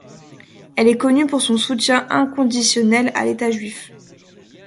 Elle est connue pour son soutien inconditionnel à l'état juif.